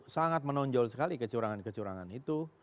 sangat menonjol sekali kecurangan kecurangan itu